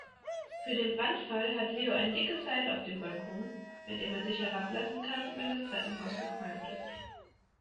Für den Brandfall hat Leo ein dickes Seil auf dem Balkon, mit dem er sich herablassen kann, wenn das Treppenhaus verqualmt ist.